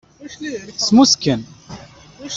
Smusken.